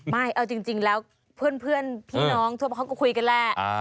ไม่เอาจริงแล้วเพื่อนพี่น้องทั่วเขาก็คุยกันแหละ